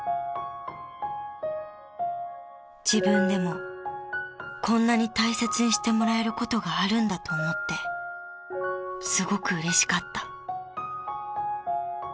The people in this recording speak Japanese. ［「自分でもこんなに大切にしてもらえることがあるんだと思ってすごく嬉しかった」］